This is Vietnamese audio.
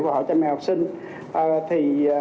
và họ cho mấy học sinh